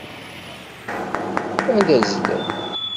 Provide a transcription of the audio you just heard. Ad azzlen.